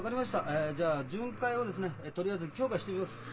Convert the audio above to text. えじゃあ巡回をですねとりあえず強化しときます。